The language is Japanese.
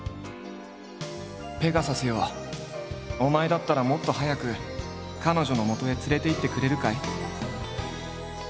「ペガサスよお前だったらもっと早くカノジョの元へ連れていってくれるかい？」。